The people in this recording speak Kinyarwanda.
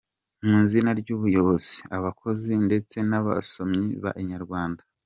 Mu izina ry'ubuyobozi, abakozi ndetse n'abasomyi ba Inyarwanda.